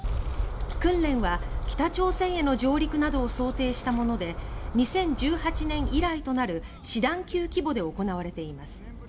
訓練は北朝鮮への上陸などを想定したもので２０１８年以来となる師団級規模で行われています。